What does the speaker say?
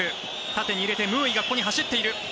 縦に入れてムーイがここに走っている。